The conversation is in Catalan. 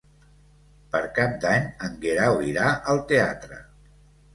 Per Cap d'Any en Guerau irà al teatre.